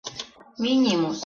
— Минимус!